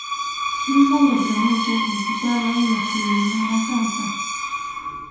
Lisa le promete visitarlo y escribirle una carta.